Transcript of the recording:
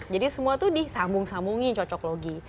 jadi semua itu disambung sambungi cocok logi